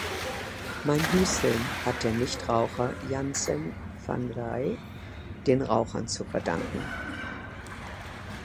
Mein Hüsteln hat der Nichtraucher Janssen van Raay den Rauchern zu verdanken.